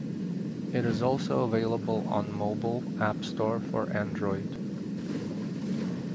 It is also available on mobile App Store for Android.